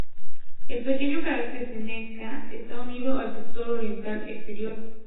El pequeño cráter "Seneca D" está unido al sector oriental exterior.